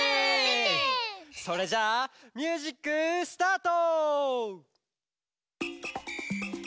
それじゃあミュージックスタート！